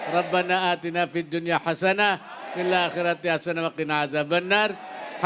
rabbana atina fid dunya hasanah